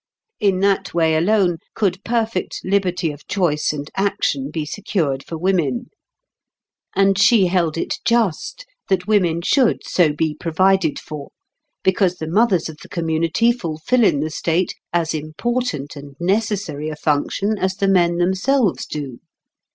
In that way alone could perfect liberty of choice and action be secured for women; and she held it just that women should so be provided for, because the mothers of the community fulfil in the state as important and necessary a function as the men themselves do.